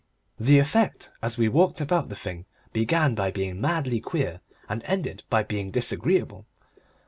The effect as we walked about the thing began by being madly queer, and ended by being disagreeable.